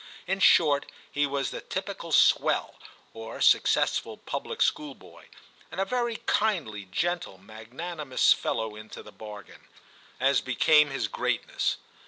In short, he was the typical *sweir or successful public school boy, and a very kindly, gentle, magnanimous fellow into the bargain, as became his great ness.